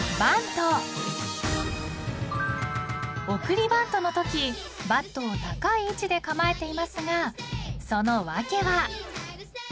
［送りバントのときバットを高い位置で構えていますがその訳は］